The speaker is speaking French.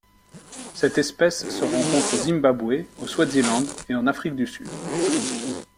Cette espèce se rencontre au Zimbabwe, au Swaziland et en Afrique du Sud.